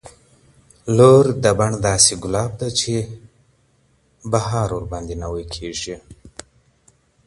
لور د بڼ داسې ګلاب ده، چي پرې نوي سي بهار